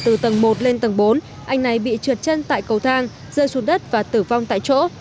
từ tầng một lên tầng bốn anh này bị trượt chân tại cầu thang rơi xuống đất và tử vong tại chỗ